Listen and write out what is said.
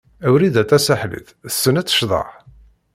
Wrida Tasaḥlit tessen ad tecḍeḥ?